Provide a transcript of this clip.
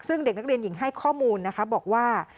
ซึ่งเด็กนักเรียนหญิงให้ข้อมูลนะคะบอกว่า